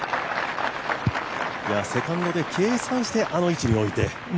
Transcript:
セカンドで計算してあの位置に置いて。